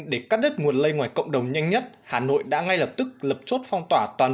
để cắt đứt nguồn lây ngoài cộng đồng nhanh nhất hà nội đã ngay lập tức lập chốt phong tỏa toàn